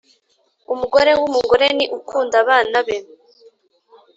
umugore w'umugore ni ukunda abana be,